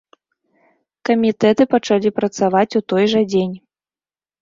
Камітэты пачалі працаваць у той жа дзень.